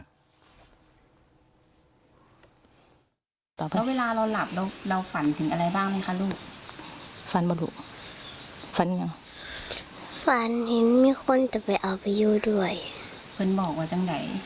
แล้วเวลาเราหลับเราฝันถึงอะไรบ้างไหมคะลูก